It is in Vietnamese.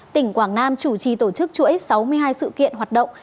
tỉnh quảng nam chủ trì tổ chức chuỗi sáu mươi hai sự kiện hoạt động